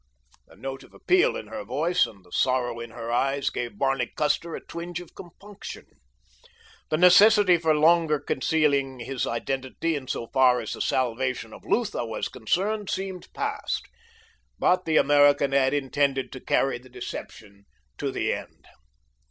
The note of appeal in her voice and the sorrow in her eyes gave Barney Custer a twinge of compunction. The necessity for longer concealing his identity in so far as the salvation of Lutha was concerned seemed past; but the American had intended to carry the deception to the end.